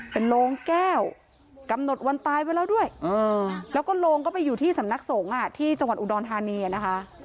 เป็นโรงแก้วกำหนดวันตายไว้แล้วด้วยแล้วก็โรงก็ไปอยู่ที่สำนักสงฆ์ที่จังหวัดอุดรธานีนะคะ